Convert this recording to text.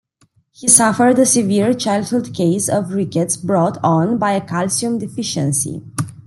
He suffered a severe childhood case of rickets brought on by a calcium deficiency.